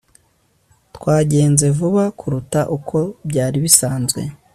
twagenze vuba kuruta uko byari bisanzwe